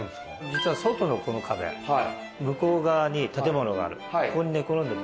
実は外のこの壁向こう側に建物がある。